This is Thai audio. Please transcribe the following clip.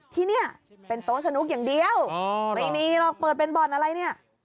ที่เนี่ยเป็นโต๊ะสนุกอย่างเดียวไม่มีหรอกเปิดเป็นบ่อนอะไรเนี่ย